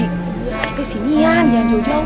iya disini ya jangan jauh jauh